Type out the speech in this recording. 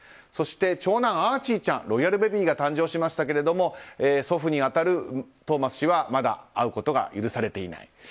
そして長男、アーチーちゃんロイヤルべビーが誕生しましたけれども祖父に当たるトーマス氏はまだ会うことが許されていない。